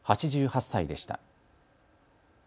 ８８歳でした。